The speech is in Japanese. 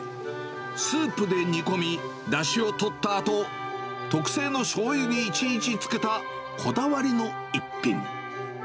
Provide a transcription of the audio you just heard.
スープで煮込み、だしをとったあと、特製のしょうゆに１日つけたこだわりの一品。